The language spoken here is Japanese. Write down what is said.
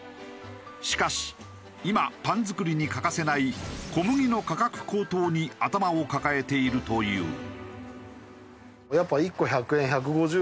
しかし今パン作りに欠かせない小麦の価格高騰に頭を抱えているという。